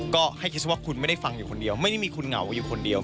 ก็ให้คิดว่าคุณไม่ได้ฟังอยู่คนเดียวไม่ได้มีคุณเหงาอยู่คนเดียว